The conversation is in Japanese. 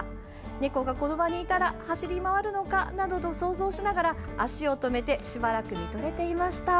猫がこの場にいたら走り回るのかなどと想像しながら足を止めてしばらく見とれていました。